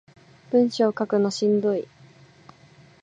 文章書くのしんどい